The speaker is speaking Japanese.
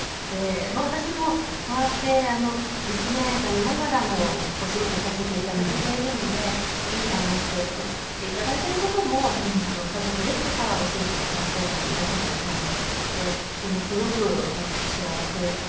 私もこうやって娘がいながらもお仕事をさせていただけているのでいいバランスでお仕事させていただいてる事も家族ですとかお仕事の関係者の皆様に感謝していて今すごく本当に幸せで。